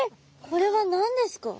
これは何ですか？